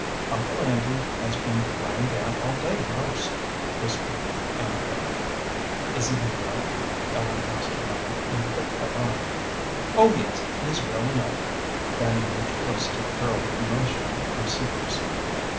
"Uncle Andrew has been lyin' down all day most," whispered Amabel. "Isn't he well?" Ellen asked her mother, in quick alarm. "Oh yes, he's well enough." Fanny moved close to the girl with a motion of secrecy.